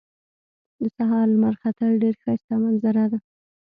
د سهار لمر ختل ډېر ښایسته منظره ده